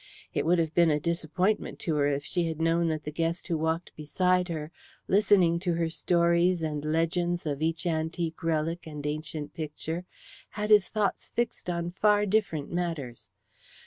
It would have been a disappointment to her if she had known that the guest who walked beside her, listening to her stories and legends of each antique relic and ancient picture, had his thoughts fixed on far different matters.